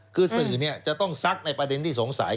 คือสื่อจะต้องซักในประเด็นที่สงสัย